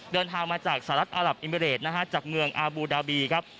เดินทางมาจากสหรัฐอารับอิมิเรดนะฮะจากเมืองอาบูดาบีครับ